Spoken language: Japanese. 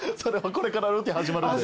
これからロケ始まるんで。